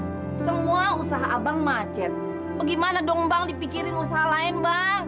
hai bantah kok macet semua usaha abang macet bagaimana dong bang dipikirin usaha lain bang